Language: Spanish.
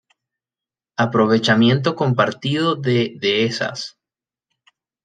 aprovechamiento compartido de dehesas